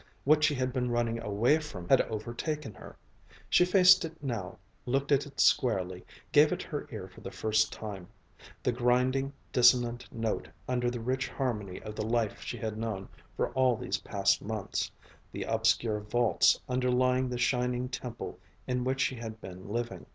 What she had been running away from had overtaken her. She faced it now, looked at it squarely, gave it her ear for the first time; the grinding, dissonant note under the rich harmony of the life she had known for all these past months, the obscure vaults underlying the shining temple in which she had been living.